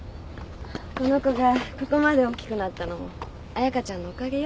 この子がここまで大きくなったのも彩佳ちゃんのおかげよ。